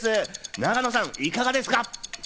永野さん、いかがですか？